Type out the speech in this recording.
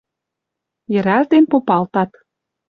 Йӹрӓлтен попалтат